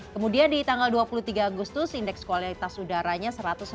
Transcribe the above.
kemudian di tanggal dua puluh tiga agustus indeks kualitas udaranya satu ratus enam puluh